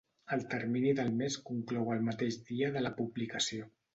El termini del mes conclou el mateix dia de la publicació.